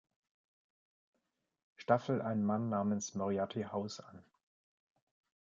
Staffel ein Mann namens Moriarty House an.